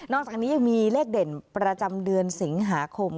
อกจากนี้ยังมีเลขเด่นประจำเดือนสิงหาคม